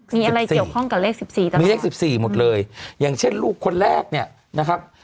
มีอะไรเกี่ยวข้องกับเลข๑๔มีเลข๑๔หมดเลยอย่างเช่นลูกคนแรกเนี่ยนะครับ